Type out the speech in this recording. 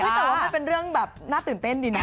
แต่ว่ามันเป็นเรื่องแบบน่าตื่นเต้นดีนะ